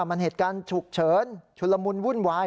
มันเหตุการณ์ฉุกเฉินชุลมุนวุ่นวาย